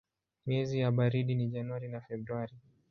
Miezi ya baridi ni Januari na Februari.